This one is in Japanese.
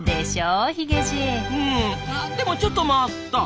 うんでもちょっと待った！